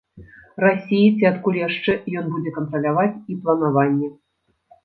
Расіі ці адкуль яшчэ, ён будзе кантраляваць і планаванне.